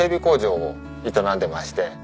工場を営んでまして。